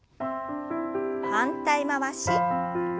反対回し。